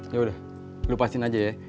yaudah lu pastiin aja ya